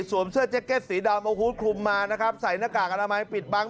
สวมเสื้อแจ็กเก็ตสีดาวมะพูดคลุมมานะครับใส่หน้ากากอาลามัยปิดบัง